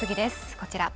こちら。